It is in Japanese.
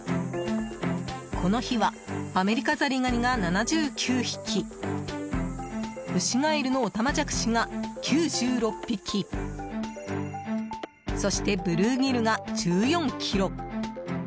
この日はアメリカザリガニが７９匹ウシガエルのオタマジャクシが９６匹そして、ブルーギルが１４ｋｇ。